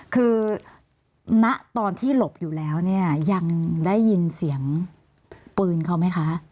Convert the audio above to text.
คือณตอนที่หลบอยู่แล้วเนี่ยยังได้ยินเสียงปืนเขาไหมคะ